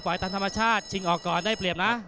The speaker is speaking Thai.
ตามธรรมชาติชิงออกก่อนได้เปรียบนะ